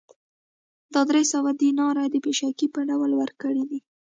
دا درې سوه دیناره د پېشکي په ډول ورکړي دي